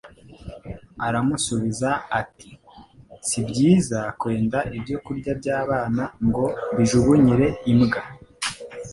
Aramusubiza ati : "Si byiza kwenda ibyo kurya by'abana ngo mbijugunyire imbwa."